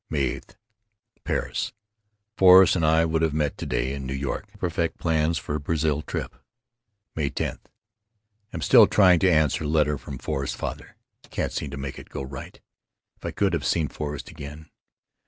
May 8, Paris: Forrest and I would have met to day in New York to perfect plans for Brazil trip. May 10: Am still trying to answer letter from Forrest's father. Can't seem to make it go right. If I could have seen Forrest again.